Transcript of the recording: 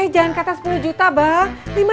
jangan kata sepuluh juta bang